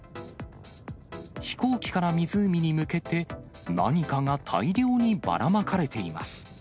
飛行機から湖に向けて、何かが大量にばらまかれています。